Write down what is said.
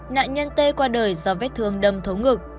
nạn nhân tê qua đời do vết thương đâm thấu ngực